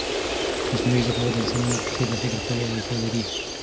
مصنوعي ذکاوت د انسانانو په څېر د فکر کولو وړتیا لري.